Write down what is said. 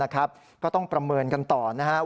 ก็ต้องประเมินกันต่อนะครับ